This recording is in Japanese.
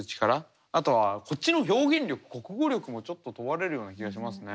あとはこっちの表現力国語力もちょっと問われるような気がしますね。